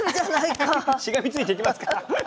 しがみついていきますから。